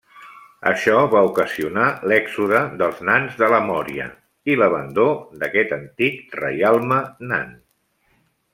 Això va ocasionar l'èxode dels nans de la Mòria i l'abandó d'aquest antic reialme nan.